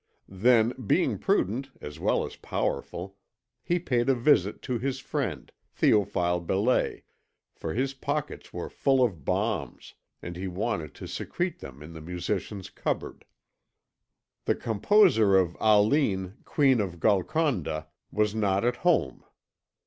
Then, being prudent as well as powerful, he paid a visit to his friend, Théophile Belais, for his pockets were full of bombs, and he wanted to secrete them in the musician's cupboard. The composer of Aline, Queen of Golconda was not at home.